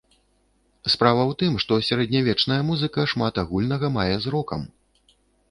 Справа ў тым, што сярэднявечная музыка шмат агульнага мае з рокам.